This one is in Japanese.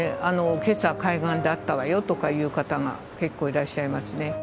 けさ、海岸で会ったわよとかいう方が、結構いらっしゃいますね。